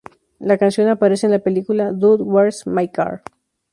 La canción aparece en la película, "Dude, Where's my Car?